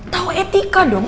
tau etika dong